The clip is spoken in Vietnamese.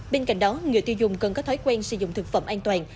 bên cạnh đó người tiêu dùng cần có thói quen sử dụng thực phẩm an toàn